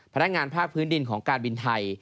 พนักงานภาคพื้นดินของการบินไทย